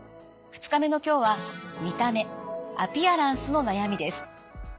２日目の今日は「見た目『アピアランス』の悩み」です。